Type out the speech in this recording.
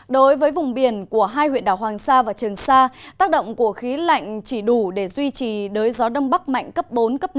đối với vùng biển của hai huyện đảo hoàng sa và trường sa tác động của khí lạnh chỉ đủ để duy trì đới gió đông bắc mạnh cấp bốn cấp năm